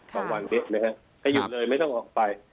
สองวันนี้หยุดเลยไม่ต้องออกไป